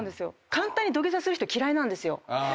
簡単に土下座する人嫌いなんですよ。